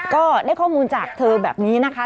ก็ได้ข้อมูลจากเธอแบบนี้นะคะ